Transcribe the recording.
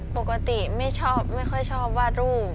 ปกติไม่ชอบไม่ค่อยชอบวาดรูป